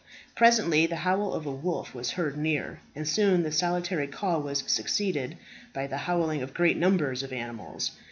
Presently, the howl of a wolf was heard near, and soon the solitary call was succeeded by the howling of great numbers of animals.